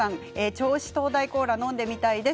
銚子灯台コーラ飲んでみたいです。